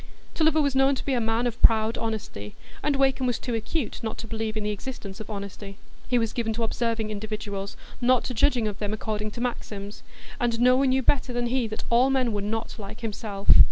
Tulliver was known to be a man of proud honesty, and Wakem was too acute not to believe in the existence of honesty. He was given to observing individuals, not to judging of them according to maxims, and no one knew better than he that all men were not like himself.